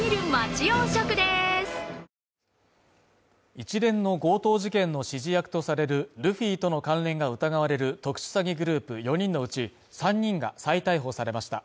一連の強盗事件の指示役とされるルフィとの関連が疑われる特殊詐欺グループ４人のうち３人が再逮捕されました。